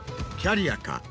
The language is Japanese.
キャリアか？